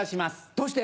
どうして？